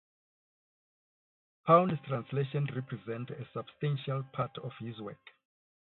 Pound's translations represent a substantial part of his work.